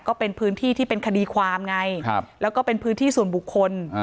ก็เป็นพื้นที่ที่เป็นคดีความไงแล้วก็เป็นพื้นที่ส่วนบุคคล